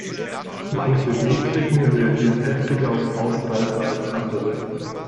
Manche Metriken reagieren heftiger auf Ausreißer als andere.